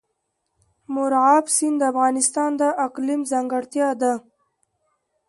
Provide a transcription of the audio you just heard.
مورغاب سیند د افغانستان د اقلیم ځانګړتیا ده.